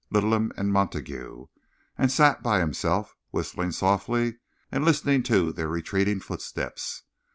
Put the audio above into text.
Littleham and Montague, and sat by himself, whistling softly and listening to their retreating footsteps.